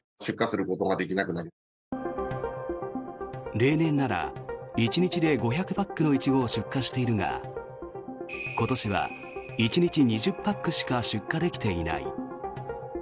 例年なら１日で５００パックのイチゴを出荷しているが今年は１日２０パックしか出荷できていない。